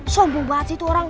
sombong banget sih itu orang